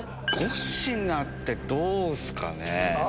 ５品ってどうっすかね。